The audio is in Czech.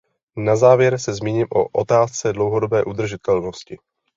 Na závěr se zmíním o otázce dlouhodobé udržitelnosti.